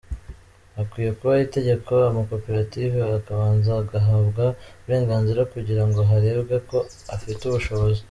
Hakwiye kubaho itegeko, amakoperative akabanza agahabwa uburenganzira kugira ngo harebwe ko afite ubushobozi.